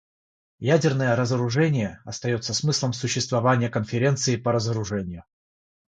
Ядерное разоружение остается смыслом существования Конференции по разоружению.